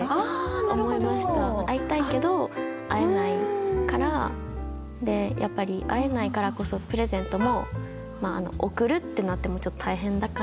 会いたいけど会えないから会えないからこそプレゼントも贈るってなってもちょっと大変だから。